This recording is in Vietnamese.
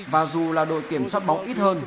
và dù là đội kiểm soát bóng ít hơn